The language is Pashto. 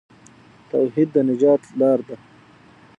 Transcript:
توحید د نجات لار ده.